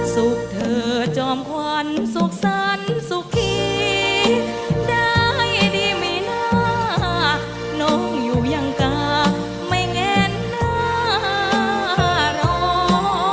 สุขเถอะจอมควันสุขสันสุขขี้ได้ดีมั้ยนะน้องอยู่ยังกะไม่แง่นหนารอ